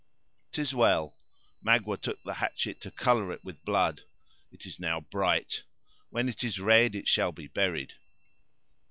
"'Tis well. Magua took the hatchet to color it with blood. It is now bright; when it is red, it shall be buried."